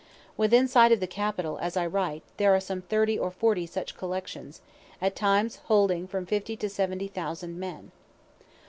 Within sight of the capitol, as I write, are some thirty or forty such collections, at times holding from fifty to seventy thousand men.